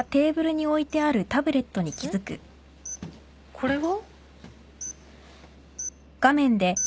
これは？